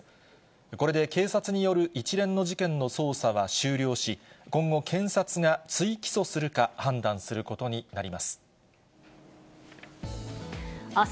これで警察による一連の事件の捜査は終了し、今後、検察が追起訴するか、判断することになります。